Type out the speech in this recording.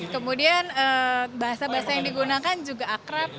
kemudian bahasa bahasa yang digunakan juga akrab